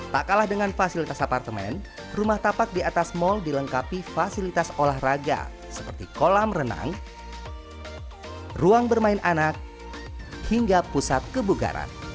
tak kalah dengan fasilitas apartemen rumah tapak di atas mal dilengkapi fasilitas olahraga seperti kolam renang ruang bermain anak hingga pusat kebugaran